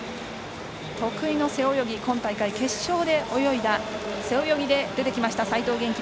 得意の背泳ぎ今大会、決勝で泳いだ背泳ぎで出てきました齋藤元希。